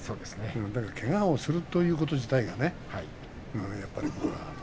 けがをするということ自体がねやっぱり。